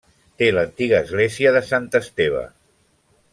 Té l'antiga església de Sant Esteve.